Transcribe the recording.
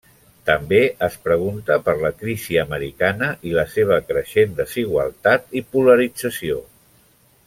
També es pregunta per la crisi americana i la seva creixent desigualtat i polarització.